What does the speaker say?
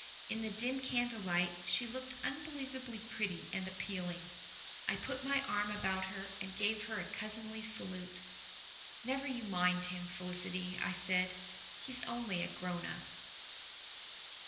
In the dim candle light she looked unbelievably pretty and appealing. I put my arm about her and gave her a cousinly salute. "Never you mind him, Felicity," I said. "He's only a grown up."